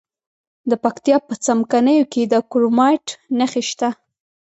د پکتیا په څمکنیو کې د کرومایټ نښې شته.